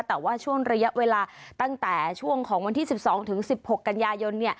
แต่ว่าช่วงระยะเวลาตั้งแต่ช่วงของวันที่๑๒๑๖กันยายน